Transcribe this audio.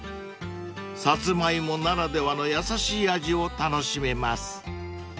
［サツマイモならではの優しい味を楽しめます］